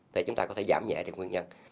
thì chúng ta có thể giảm nhẹ được nguyên nhân